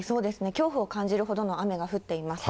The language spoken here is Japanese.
恐怖を感じるほどの雨が降っています。